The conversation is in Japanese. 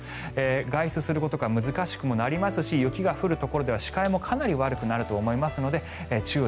外出することが難しくもなりますし雪が降るところでは視界もかなり悪くなると思いますので注意。